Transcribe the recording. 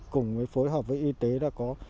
cùng với phối hợp với y tế đã có